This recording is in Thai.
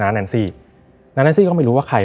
น้านแอนซีฟังก็ไม่รู้ว่าใคร